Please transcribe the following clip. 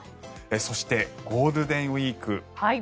そして、ゴールデンウィーク。